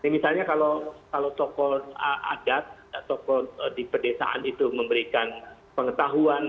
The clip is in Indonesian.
misalnya kalau tokoh adat tokoh di pedesaan itu memberikan pengetahuan